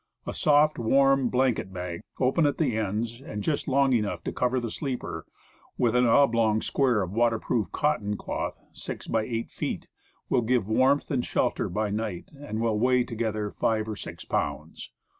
A soft, warm blanket bag, open at the ends, and just long enough to cover the sleeper, with an oblong square of waterproofed cotton cloth 6x8 feet, will give warmth and shelter by night and will weigh together five or six pounds.